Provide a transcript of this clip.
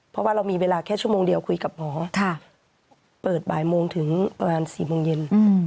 เพราะว่าเรามีเวลาแค่ชั่วโมงเดียวคุยกับหมอเปิดบ่ายโมงถึงประมาณ๔โมงเย็น